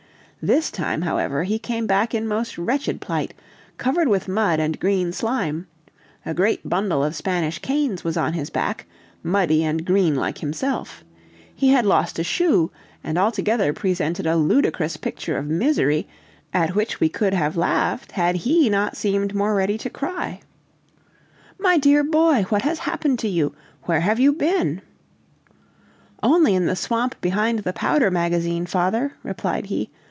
This time, however, he came back in most wretched plight, covered with mud and green slime; a great bundle of Spanish canes was on his back, muddy and green like himself; he had lost a shoe, and altogether presented a ludicrous picture of misery, at which we could have laughed had he not seemed more ready to cry! "My dear boy! what has happened to you? Where have you been?" "Only in the swamp behind the powder magazine, father," replied he.